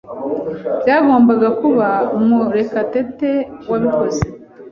Byagombaga kuba Murekatete wabikoze.